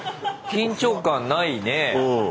緊張感ないねえ。